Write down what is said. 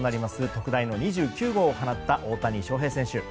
特大の２９号を放った大谷翔平選手。